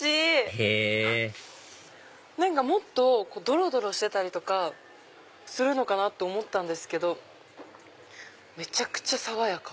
へぇもっとどろどろしてたりとかするのかなと思ったんですけどめちゃくちゃ爽やか。